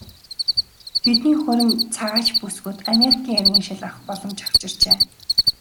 Тэдний хурим цагаач бүсгүйд Америкийн иргэншил авах боломж авчирчээ.